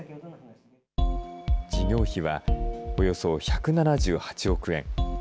事業費はおよそ１７８億円。